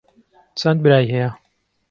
چەند برای هەیە؟